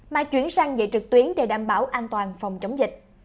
mà chuyển sang dạy trực tuyến để đảm bảo an toàn phòng chống dịch